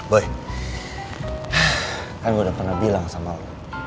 boy kan udah pernah bilang sama lo